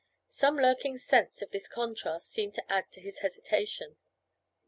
Some lurking sense of this contrast seemed to add to his hesitation.